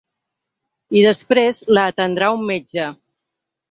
I desprès la atendrà un metge.